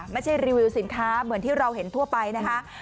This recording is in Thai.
ไม่ใช่รีวิวสินค้าเหมือนที่เราเห็นทั่วไปนะคะ